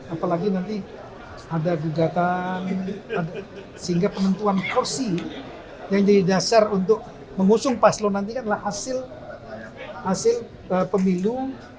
apalagi nanti ada juga sehingga penentuan kursi yang jadi dasar untuk mengusung paslo nanti adalah hasil pemilu